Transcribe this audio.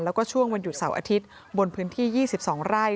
แล้วก็ช่วงวันหยุดเสาร์อาทิตย์บนพื้นที่๒๒ไร่